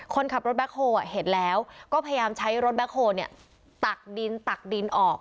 คนขับรถแบ็คโฮลเห็นแล้วก็พยายามใช้รถแบ็คโฮลตักดินตักดินออก